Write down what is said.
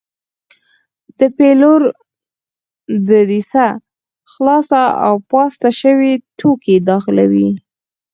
د پلیور دریڅه خلاصه او پاسته شوي توکي داخلوي.